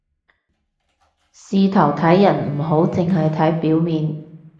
事頭睇人唔好淨係睇表面